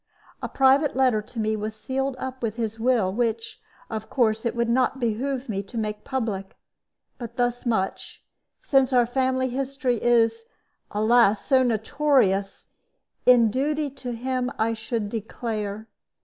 A private letter to me was sealed up with his will, which, of course, it would not behoove me to make public. But thus much since our family history is, alas! so notorious in duty to him I should declare.